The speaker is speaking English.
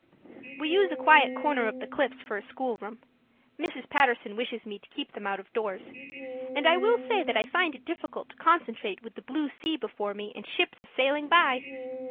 We use a quiet corner of the cliffs for a schoolroom Mrs. Paterson wishes me to keep them out of doors and I will say that I find it difficult to concentrate with the blue sea before me and ships a sailing by!